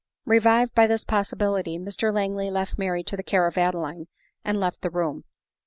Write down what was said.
Revived by this possibility, Mr Langley left Mary to the care of Adeline, and left the room.